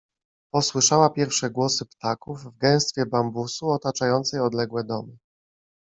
Posłyszała pierwsze głosy ptaków w gęstwie bambusu otaczającej odległe domy.